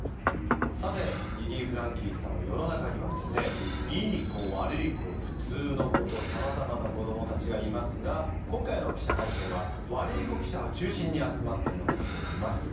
世の中にはですねいい子悪い子ふつうの子とさまざまな子どもたちがいますが今回の記者会見はワルイコ記者を中心に集まってもらっております。